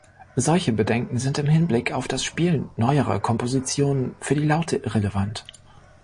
Solche Bedenken sind im Hinblick auf das Spielen neuerer Kompositionen für die Laute irrelevant.